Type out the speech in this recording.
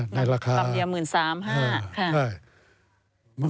ในราคาลำเดียว๑๓๕๐๐บาท